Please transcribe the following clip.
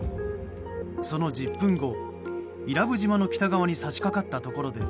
その１０分後、伊良部島の北側に差し掛かったところで